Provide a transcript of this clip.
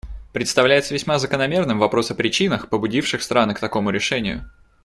Представляется весьма закономерным вопрос о причинах, побудивших страны к такому решению.